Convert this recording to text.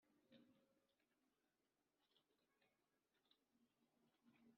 bicumbeka iyo ijoro ryiroshye cyangwa bikavumbura